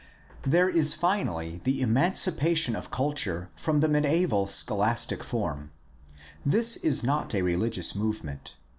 — There is finally the emanci pation of culture from the mediaeval scholastic form. This is not a religious movement.